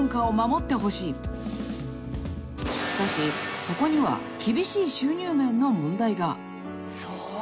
［しかしそこには厳しい収入面の問題が］